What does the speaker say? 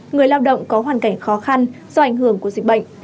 người lao động có hoàn cảnh khó khăn do ảnh hưởng của dịch bệnh